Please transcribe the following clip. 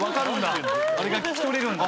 あれが聞き取れるんだ。